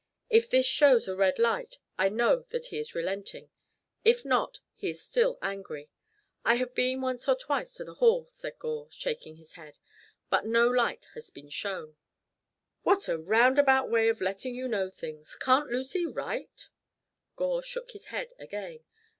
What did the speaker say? If this shows a red light I know that he is relenting; if not, he is still angry. I have been once or twice to the Hall," said Gore, shaking his head, "but no light has been shown." "What a roundabout way of letting you know things. Can't Lucy write?" Gore shook his head again.